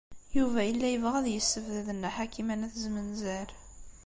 Yuba yella yebɣa ad yessebded Nna Ḥakima n At Zmenzer.